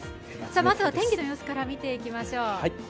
まずは天気の様子から見ていきましょう。